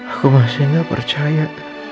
aku masih gak percaya